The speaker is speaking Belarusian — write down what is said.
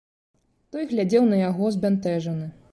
Той глядзеў на яго збянтэжаны.